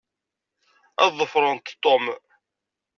Ad ḍefrent Tom.